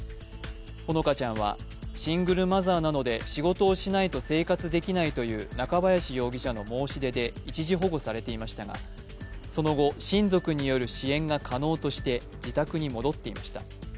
ほのかちゃんはシングルマザーなので仕事をしないと生活できないという中林容疑者の申し出で一時保護されていましたが、その後、親族による支援が可能として自宅に戻っていました。